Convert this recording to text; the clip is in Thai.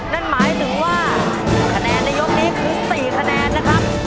นั่นหมายถึงว่าคะแนนในยกนี้คือ๔คะแนนนะครับ